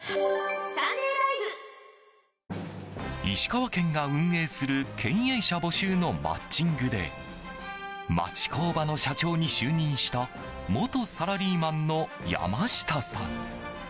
石川県が運営する経営者募集のマッチングで町工場の社長に就任した元サラリーマンの山下さん。